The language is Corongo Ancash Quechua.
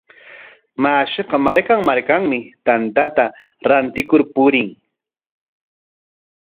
Mashiqa markan markanmi tanta rantikur purin.